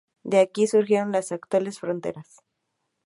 De aquí surgieron las actuales fronteras.